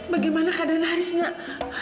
bagaimana keadaan aries nak